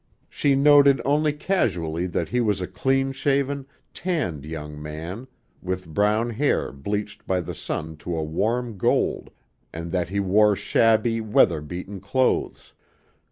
She noted only casually that he was a clean shaven, tanned young man with brown hair bleached by the sun to a warm gold, and that he wore shabby, weather beaten clothes.